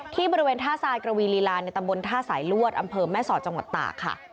ที่บริเวณท่าทรายกระวีลีลาในตำบลท่าสายลวดอำเภอแม่สอดจังหวัดตากค่ะ